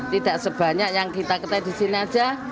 tidak sebanyak yang kita ketahui di sini aja